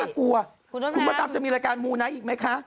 กลัวคุณพระดำจะมีรายการมูไนท์อีกไหมคะ